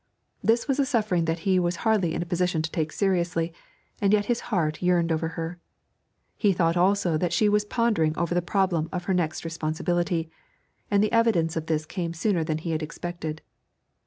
This was a suffering that he was hardly in a position to take seriously, and yet his heart yearned over her. He thought also that she was pondering over the problem of her next responsibility, and the evidence of this came sooner than he had expected.